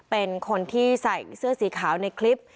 เป็นคนที่ใส่เสื้อสีขาวในคลิป